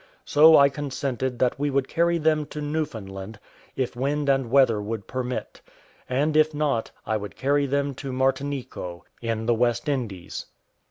So I consented that we would carry them to Newfoundland, if wind and weather would permit: and if not, I would carry them to Martinico, in the West Indies.